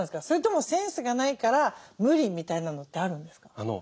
それともセンスがないから無理みたいなのってあるんですか？